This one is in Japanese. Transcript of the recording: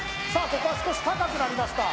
ここは少し高くなりました